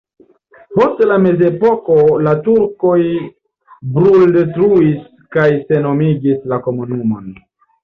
Post la mezepoko la turkoj bruldetruis kaj senhomigis la komunumon.